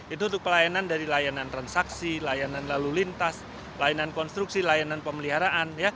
itu untuk pelayanan dari layanan transaksi layanan lalu lintas layanan konstruksi layanan pemeliharaan